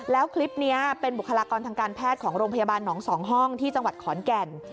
แล้วคลิปนี้เป็นบุคลากรทางการแพทย์ของโรงพยาบาลหนอง๒ห้องที่จังหวัดขอนแก่น